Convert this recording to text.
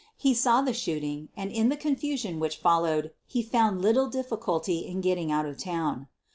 He saw the shooting, and, in the confusion which followed, he found little difficulty in getting out of town.